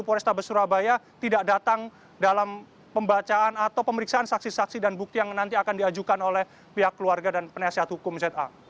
polrestabes surabaya tidak datang dalam pembacaan atau pemeriksaan saksi saksi dan bukti yang nanti akan diajukan oleh pihak keluarga dan penasihat hukum za